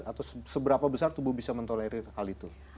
atau seberapa besar tubuh bisa mentolerir hal itu